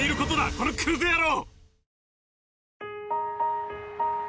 このクズ野郎！